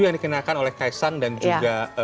yang dikenakan oleh kaisang dan juga